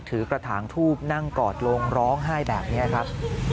กระถางทูบนั่งกอดลงร้องไห้แบบนี้ครับ